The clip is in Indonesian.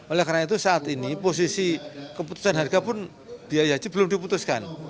oleh karena itu saat ini posisi keputusan harga pun biaya haji belum diputuskan